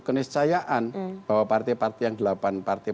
keniscayaan bahwa partai partai